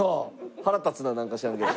腹立つななんか知らんけど。